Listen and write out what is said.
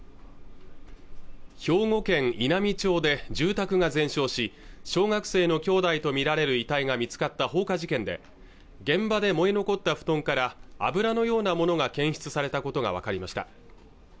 兵庫県稲美町で住宅が全焼し小学生の兄弟と見られる遺体が見つかった放火事件で現場で燃え残った布団から油のようなものが検出されたことが分かりました